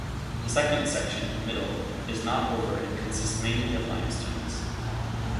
The second section (middle) is not over and consists mainly of limestones.